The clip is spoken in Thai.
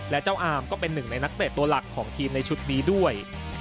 และเจ้าอามก็เป็นหนึ่งในนักเตะตัวหลักของทีมในชุดนี้ด้วย